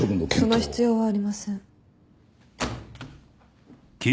その必要はありません。